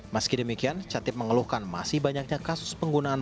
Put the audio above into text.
meski demikian catip mengeluhkan masih banyaknya kasus penggunaan